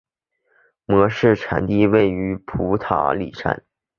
模式产地位于普塔里山。